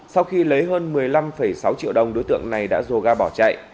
sau khi lấy hơn một mươi năm sáu triệu đồng đối tượng này đã dồ ga bỏ chạy